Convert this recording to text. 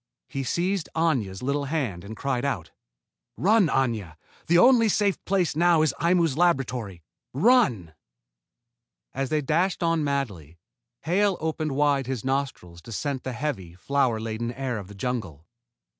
He seized Aña's little hand and cried out: "Run, Aña! The only safe place now is Aimu's laboratory. Run!" As they dashed on madly, Hale opened wide his nostrils to scent the heavy, flower laden air of the jungle.